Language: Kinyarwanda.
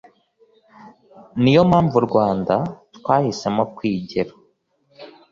niyo mpamvu urwanda twahisemo kwigira